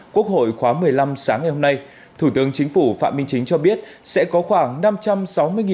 quốc hội khóa một mươi năm sáng ngày hôm nay thủ tướng chính phủ phạm minh chính cho biết sẽ có khoảng